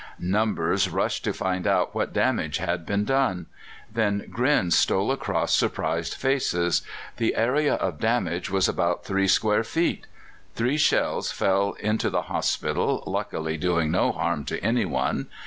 Numbers rushed to find out what damage had been done. Then grins stole across surprised faces: the area of damage was about 3 square feet. Three shells fell into the hospital, luckily doing no harm to anyone.